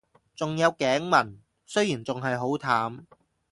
仲有頸紋，雖然仲係好淡